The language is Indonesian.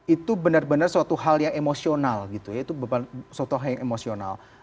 itu benar benar suatu hal yang emosional gitu ya